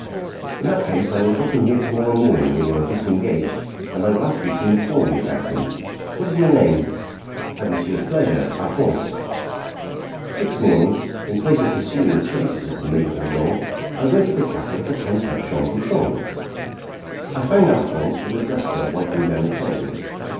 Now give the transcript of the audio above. "In that case I will drop in here to morrow morning when you are disengaged, and I will ask you to inform me about him. What is your name?" "At monsieur's pleasure Alphonse." Next morning, in place of pursuing the traces of the Maid of Orléans, I went to the café to hunt up Jean Bouchon. I found Alphonse with a duster wiping down the tables.